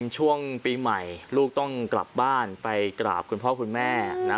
ช่วงปีใหม่ลูกต้องกลับบ้านไปกราบคุณพ่อคุณแม่นะ